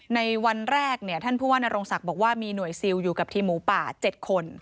ในวันแรกท่านผู้ว่านโรงศักดิ์บอกว่ามีหน่วยซิลอยู่กับทีมหมูป่า๗คน